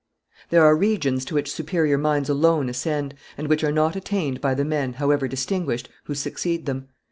There are regions to which superior minds alone ascend, and which are not attained by the men, however distinguished, who succeed them.